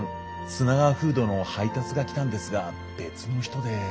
スナガワフードの配達が来たんですが別の人で。